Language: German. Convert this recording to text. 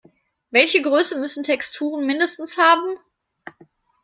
Welche Größe müssen Texturen mindestens haben?